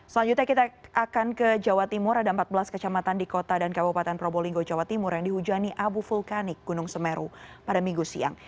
selanjutnya kita akan ke jawa timur ada empat belas kecamatan di kota dan kabupaten probolinggo jawa timur yang dihujani abu vulkanik gunung semeru pada minggu siang